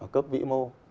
ở cấp vĩ mô